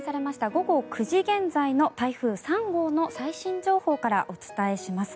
午後９時現在の台風３号の最新情報からお伝えします。